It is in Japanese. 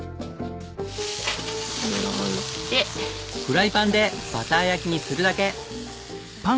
フライパンでバター焼きにするだけ！